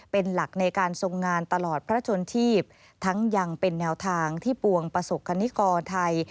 เป็นหลักในการทรงงานตลอดพระชนทีพทั้งยังเป็นแนวทางที่ปวงประสบคณิกรไทย